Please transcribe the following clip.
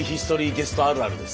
ゲストあるあるです。